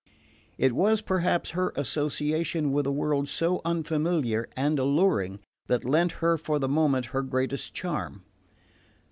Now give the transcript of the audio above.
It was perhaps her association with a world so unfamiliar and alluring that lent her for the moment her greatest charm.